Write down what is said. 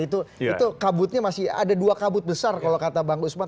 itu kabutnya masih ada dua kabut besar kalau kata bang usman